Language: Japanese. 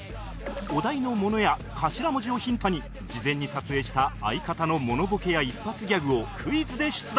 お題のものや頭文字をヒントに事前に撮影した相方のモノボケや一発ギャグをクイズで出題